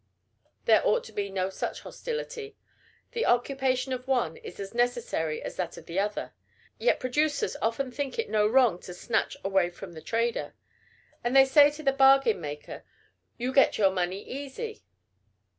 There ought to be no such hostility. The occupation of one is as necessary as that of the other. Yet producers often think it no wrong to snatch away from the trader; and they say to the bargain maker, "You get your money easy."